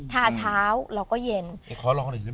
ทาเช้าเราก็เย็นแต่ขอลองหน่อยได้มั้ย